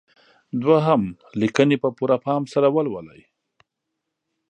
دوهم: لیکنې په پوره پام سره ولولئ.